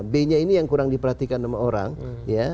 b nya ini yang kurang diperhatikan sama orang ya